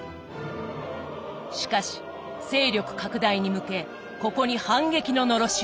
しかし勢力拡大に向けここに反撃ののろしを上げた。